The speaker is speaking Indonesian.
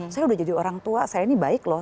saya udah jadi orang tua saya ini baik loh